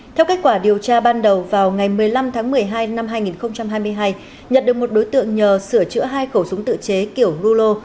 theo kết quả điều tra ban đầu vào ngày một mươi năm tháng một mươi hai năm hai nghìn hai mươi hai nhật được một đối tượng nhờ sửa chữa hai khẩu súng tự chế kiểu rulo